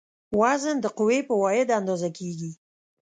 وزن د قوې په واحد اندازه کېږي.